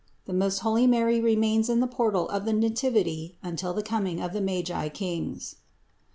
THE MOST HOLY MARY REMAINS IN THE PORTAL OF THE NATIVITY UNTIL THE COMING OF THE MAGI KINGS.